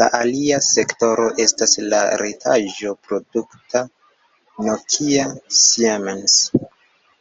La alia sektoro estas la retaĵo-produkta Nokia-Siemens.